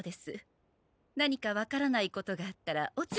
何かわからないことがあったらオツムン。